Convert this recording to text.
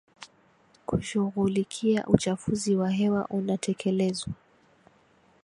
kushughulikia uchafuzi wa hewa unatekelezwa